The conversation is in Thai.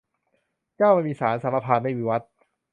เจ้าไม่มีศาล สมภารไม่มีวัด